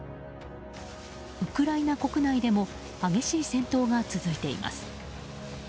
ウクライナ国内でも激しい戦闘が続いています。